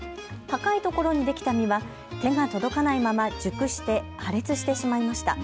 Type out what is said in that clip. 高い所にできた実は手が届かないまま熟して破裂してしまいました。